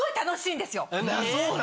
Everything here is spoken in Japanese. そうなんだ。